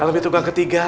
alami tukang ketiga